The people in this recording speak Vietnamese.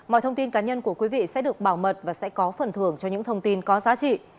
mọi thông tin cá nhân của quý vị sẽ được bảo mật và sẽ có phần thưởng cho những thông tin có giá trị